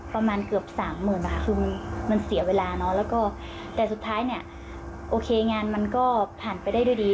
ประมาณเกือบสามหมื่นนะคะคือมันเสียเวลาเนอะแล้วก็แต่สุดท้ายเนี่ยโอเคงานมันก็ผ่านไปได้ด้วยดี